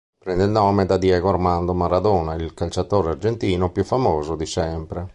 Prende il nome da Diego Armando Maradona, il calciatore argentino più famoso di sempre.